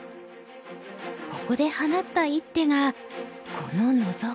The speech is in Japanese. ここで放った一手がこのノゾキ。